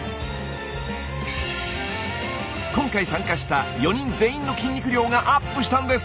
今回参加した４人全員の筋肉量がアップしたんです。